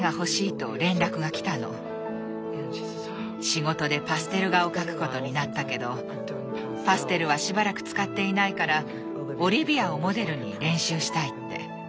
「仕事でパステル画を描くことになったけどパステルはしばらく使っていないからオリビアをモデルに練習したい」って。